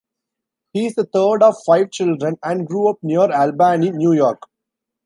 He is the third of five children and grew up near Albany, New York.